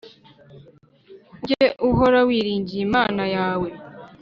ujye uhora wiringiye Imana yawe.